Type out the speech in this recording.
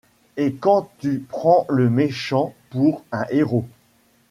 Et quand tu prends le méchant pour un héros.